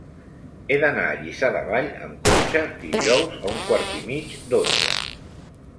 He d'anar a Lliçà de Vall amb cotxe dijous a un quart i mig d'onze.